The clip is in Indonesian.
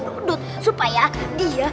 dodot supaya dia